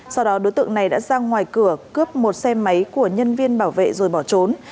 sau đó đối tượng này đã ra ngoài cửa cướp một xe máy của nhân viên bảo vệ rồi bỏ trốn